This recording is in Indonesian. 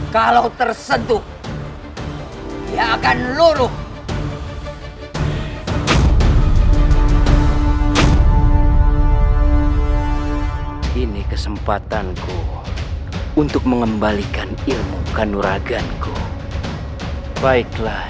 kalau terseduh ya akan luruh ini kesempatanku untuk mengembalikan ilmu kanuraganku baiklah